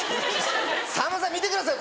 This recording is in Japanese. さんまさん見てください